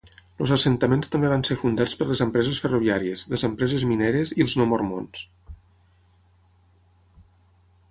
Els assentaments també van ser fundats per les empreses ferroviàries, les empreses minieres i els no mormons.